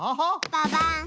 ババン！